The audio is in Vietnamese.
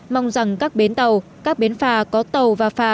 mong rằng các biến tàu các biến phà có tàu và phà